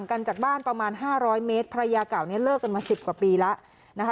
กันจากบ้านประมาณ๕๐๐เมตรภรรยาเก่านี้เลิกกันมา๑๐กว่าปีแล้วนะคะ